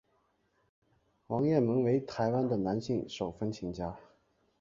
王雁盟为台湾的男性手风琴家。